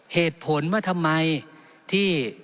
เหตุผลว่าทำไมที่